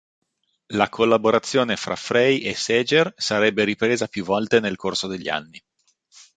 La collaborazione fra Frey e Seger sarebbe ripresa più volte nel corso degli anni.